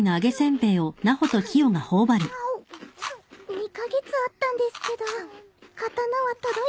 ２カ月あったんですけど刀は届いてなくて。